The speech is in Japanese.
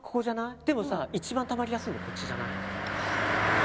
でも、一番たまりやすいところここじゃない。